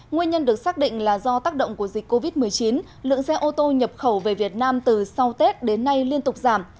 nguyên nhân được xác định là do tác động của dịch covid một mươi chín lượng xe ô tô nhập khẩu về việt nam từ sau tết đến nay liên tục giảm